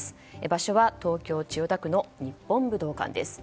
場所は東京・千代田区の日本武道館です。